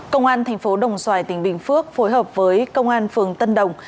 công an thành phố đồng xoài tỉnh bình phước phối hợp với công an phường tân đồng